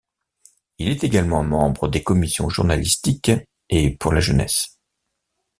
Il est également membre des commissions journalistique et pour la jeunesse.